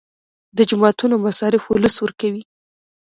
د جوماتونو مصارف ولس ورکوي